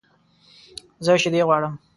زه شیدې غواړم